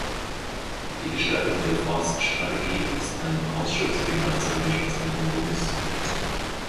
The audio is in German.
Die Gestaltung der Forststrategie ist ein im Ausschuss gemeinsam beschlossener Kompromiss.